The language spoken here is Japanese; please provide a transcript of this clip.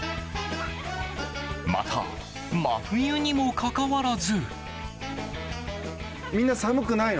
また真冬にもかかわらず。